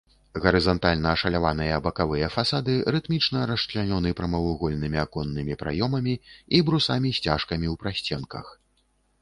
Гарызантальна ашаляваныя бакавыя фасады рытмічна расчлянёны прамавугольнымі аконнымі праёмамі і брусамі-сцяжкамі ў прасценках.